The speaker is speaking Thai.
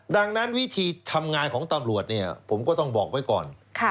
ดังนั้นวิธีทำงานของตำรวจเนี่ยผมก็ต้องบอกไว้ก่อน